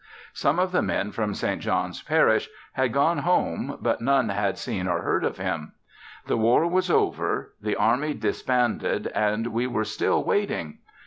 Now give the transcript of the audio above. Some of the men from St. John's Parish had gotten home but none had seen or heard of him. The war was over. The army disbanded, and we were still waiting.